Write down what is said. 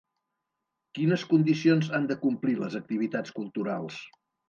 Quines condicions han de complir les activitats culturals?